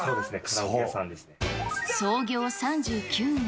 創業３９年。